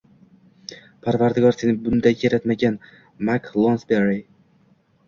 Parvardigor seni bunday yaratmagan, Mak Lonsberi